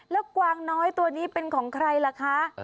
แล้วกวางน้อยตัวนี้เป็นของใครล่ะคะ